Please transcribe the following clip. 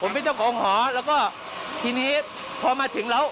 เป็นเจ้าของหอแล้วก็ทีนี้พอมาถึงแล้ว